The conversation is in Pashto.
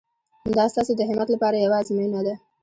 دا ستاسو د همت لپاره یوه ازموینه ده.